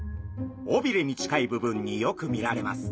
尾びれに近い部分によく見られます。